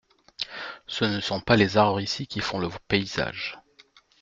Ce ne sont pas les arbres ici qui font le paysage.